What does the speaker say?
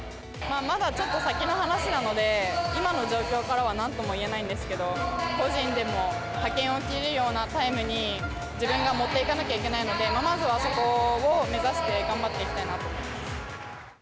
まだちょっと先の話なので、今の状況からはなんとも言えないんですけど、個人でも派遣を切るようなタイムに、自分が持っていかなきゃいけないので、まずは、そこを目指して頑張っていきたいなと思います。